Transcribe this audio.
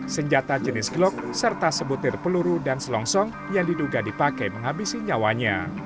senjata jenis glock serta sebutir peluru dan selongsong yang diduga dipakai menghabisi nyawanya